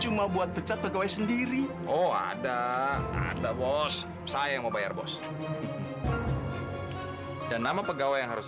cuma buat pecat pegawai sendiri oh ada ada bos saya yang mau bayar bos dan nama pegawai yang harus